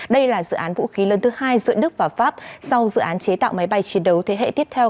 đây là dự án vũ khí lớn thứ hai giữa đức và pháp sau dự án chế tạo máy bay chiến đấu thế hệ tiếp theo